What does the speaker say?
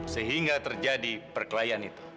sehingga terjadi perkelahian itu